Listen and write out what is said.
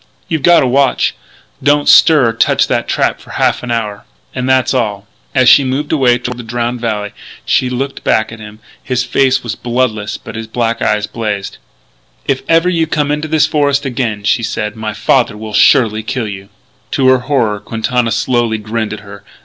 You've got a watch.... Don't stir or touch that trap for half an hour.... And that's all." As she moved away toward the Drowned Valley trail she looked back at him. His face was bloodless but his black eyes blazed. "If ever you come into this forest again," she said, "my father will surely kill you." To her horror Quintana slowly grinned at her.